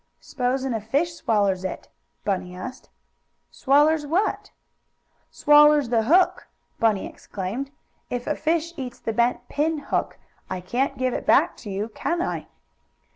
"S'posin' a fish swallers it?" Bunny asked. "Swallers what?" "Swallers the hook!" Bunny explained. "If a fish eats the bent pin hook I can't give it back to you; can I?"